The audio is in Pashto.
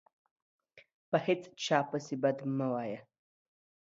په هیچا پسي بد مه وایه